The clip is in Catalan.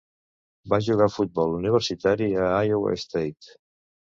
Va jugar futbol universitari a Iowa State.